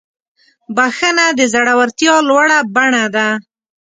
بخښنه د زړورتیا لوړه بڼه ده.